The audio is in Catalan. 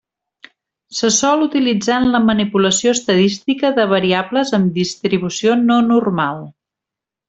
Se sol utilitzar en la manipulació estadística de variables amb distribució no normal.